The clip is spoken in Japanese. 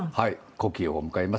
古希を迎えます。